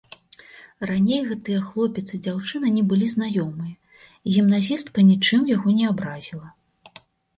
Раней гэтыя хлопец і дзяўчына не былі знаёмыя, і гімназістка нічым яго не абразіла.